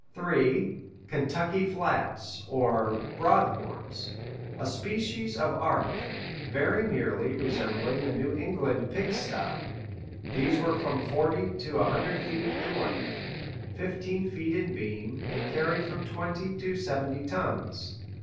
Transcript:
(3) Kentucky flats (or "broad horns"), "a species of ark, very nearly resembling a New England pig stye;" these were from forty to a hundred feet in length, fifteen feet in beam, and carried from twenty to seventy tons.